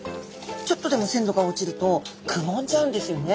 ちょっとでもせんどが落ちるとくぼんじゃうんですよね。